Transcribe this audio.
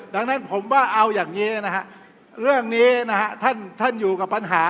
ดังนั้นผมว่าเอาอย่างนี้นะฮะเรื่องนี้นะฮะท่านอยู่กับปัญหา